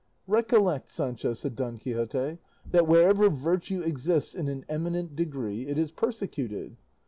"Recollect, Sancho," said Don Quixote, "that wherever virtue exists in an eminent degree it is persecuted.